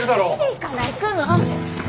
いいから行くの！